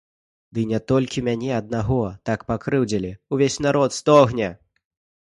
Ды не толькі мяне аднаго так пакрыўдзілі, увесь народ стогне.